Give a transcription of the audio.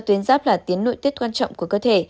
do tuyến giáp là tiến nội tiết quan trọng của cơ thể